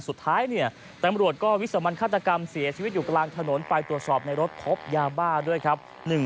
สุดท้ายเนี่ยตำรวจก็วิสามันฆาตกรรมเสียชีวิตอยู่กลางถนนไปตรวจสอบในรถพบยาบ้าด้วยครับ